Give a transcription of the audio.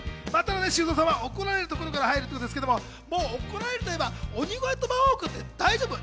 修造さんは怒られるところから入るそうですけど、怒られるといえば、鬼越トマホーク、大丈夫？